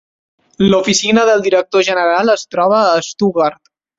L'oficina del director general es troba a Stuttgart.